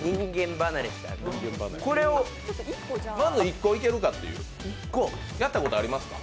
これをまず１個いけるかっていうやったことありますか？